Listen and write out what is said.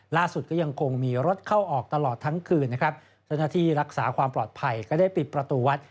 ล่าสุดก็ยังคงมีรถเข้าออกตลอดทั้งคืนนะครับเจ้าหน้าที่รักษาความปลอดภัยก็ได้ปิดประตูวัด